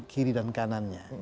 kiri dan kanannya